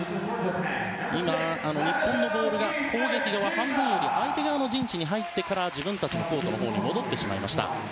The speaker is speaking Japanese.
日本のボールが攻撃側半分より相手側の陣地に入ってから自分たちのコートに戻ってしまいました。